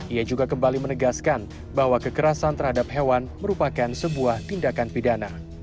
ia juga kembali menegaskan bahwa kekerasan terhadap hewan merupakan sebuah tindakan pidana